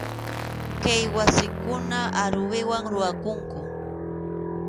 Kay wasikunan aruwiwan rurakunku.